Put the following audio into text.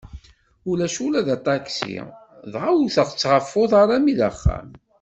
Ulac ula d aṭaksi, dɣa wteɣ-tt ɣef uḍar armi d axxam.